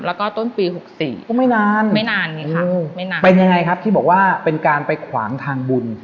แล้วก็ต้นปีหกสี่ก็ไม่นานไม่นานไงค่ะไม่นานเป็นยังไงครับที่บอกว่าเป็นการไปขวางทางบุญ